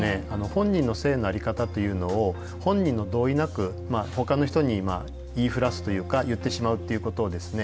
本人の性の在り方というのを本人の同意なくほかの人に言いふらすというか言ってしまうっていうことをですね